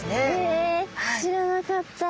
へえ知らなかった。